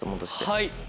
はい。